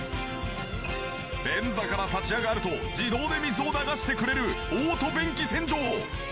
便座から立ち上がると自動で水を流してくれるオート便器洗浄。